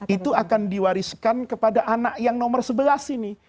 itu akan diwariskan kepada anak yang nomor sebelas ini